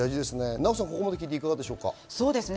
ナヲさん、ここまで聞いていかがですか？